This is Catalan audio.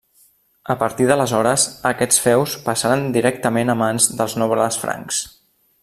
A partir d'aleshores, aquests feus passaren directament a mans dels nobles francs.